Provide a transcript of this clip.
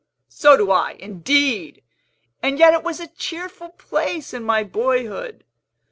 So do I, indeed! And yet it was a cheerful place in my boyhood.